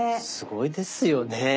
すごいですよね。